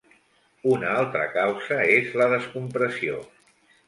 Una altra causa és la descompressió.